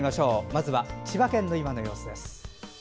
まずは千葉県の今の様子です。